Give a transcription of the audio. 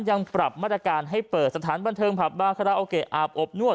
ยังปรับมาตรการให้เปิดสถานบันเทิงผับบาคาราโอเกะอาบอบนวด